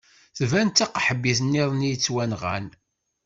Tban d taqaḥbit niḍen i yettwanɣan.